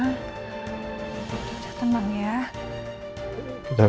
tidak tenang ya